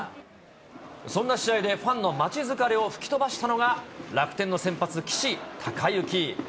そんな試合でファンの待ち疲れを吹き飛ばしたのが、楽天の先発、岸孝之。